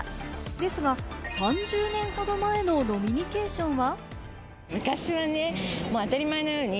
ですが、３０年ほど前の飲みニケーションは。